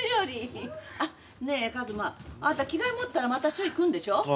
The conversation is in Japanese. あっねえ一馬あなた着替え持ったらまた署行くんでしょ。